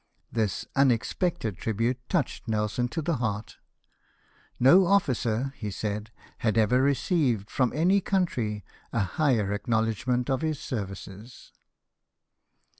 This unexpected tribute touched Nelson to the heart. " No officer," he said, " had ever received from any country a higher acknowledgment of his services."